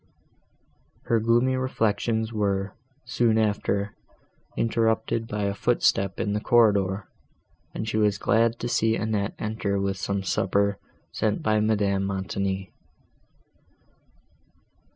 Her gloomy reflections were, soon after, interrupted by a footstep in the corridor, and she was glad to see Annette enter with some supper, sent by Madame Montoni.